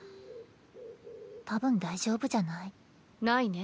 たぶん大丈夫じゃない？ないね。